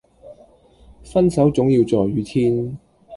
分手總要在雨天